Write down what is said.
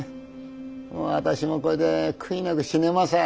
私もこれで悔いなく死ねます。